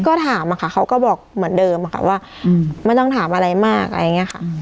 ก็ถามอะค่ะเขาก็บอกเหมือนเดิมค่ะว่าไม่ต้องถามอะไรมากอะไรอย่างนี้ค่ะ